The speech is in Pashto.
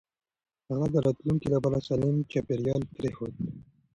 هغه د راتلونکي لپاره سالم چاپېريال پرېښود.